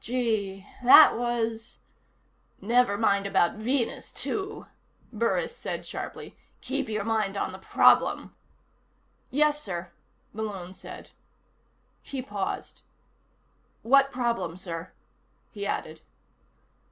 Gee, that was " "Never mind about Venus, too," Burris said sharply. "Keep your mind on the problem." "Yes, sir," Malone said. He paused. "What problem, sir?" he added.